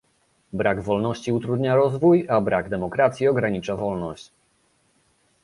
Brak wolności utrudnia rozwój, a brak demokracji ogranicza wolność